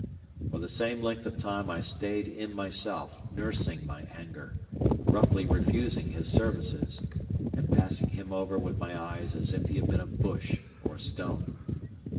For the same length of time I stayed in myself, nursing my anger, roughly refusing his services, and passing him over with my eyes as if he had been a bush or a stone.